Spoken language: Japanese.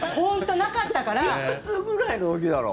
いくつくらいの時だろう？